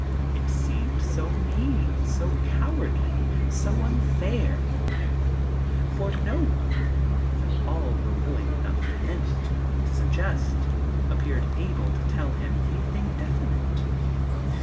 It seemed so mean, so cowardly, so unfair ; for no one, though all were willing enough to hint, to suggest, appeared able to tell him anything definite.